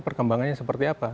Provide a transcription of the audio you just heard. perkembangannya seperti apa